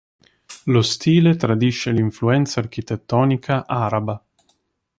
Lo stile tradisce l'influenza architettonica araba.